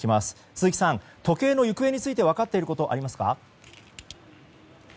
鈴木さん、時計の行方について分かっていることありますか？